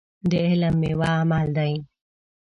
د علم ميوه عمل دی.